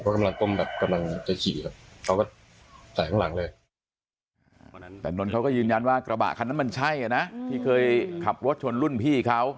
ใครเกิดเห็นว่ากระบะซะมันใช่เนี่ยนะที่เคยขับรถชนรุ่นพี่เขา